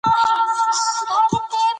بیرغچی زخمي نه و.